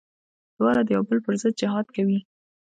دواړه د يو بل پر ضد جهاد کوي.